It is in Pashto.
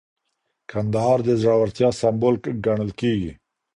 کندهار د زړورتیا سمبول ګڼل کېږي.